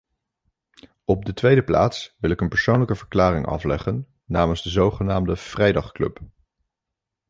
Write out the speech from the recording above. Op de tweede plaats wil ik een persoonlijke verklaring afleggen namens de zogenaamde vrijdagclub.